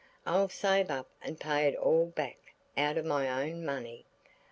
I'll save up and pay it all back out of my own money.